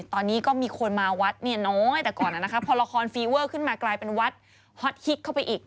ตอนนี้ก็มีคนมาวัดเนี่ยน้อยแต่ก่อนพอละครฟีเวอร์ขึ้นมากลายเป็นวัดฮอตฮิตเข้าไปอีก